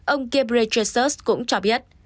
ông ghebreyesus cũng cho biết